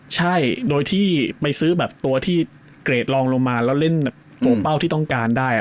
ใช่โดยที่ไปซื้อแบบตัวที่เกรดลองลงมาแล้วเล่นตัวเป้าที่ต้องการได้